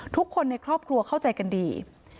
ทุกคนในครอบครัวเข้าใจกันดี